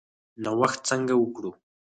نوښت څنګه وکړو؟